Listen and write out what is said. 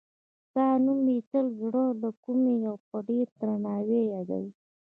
ستا نوم یې تل د زړه له کومې او په ډېر درناوي یادوه.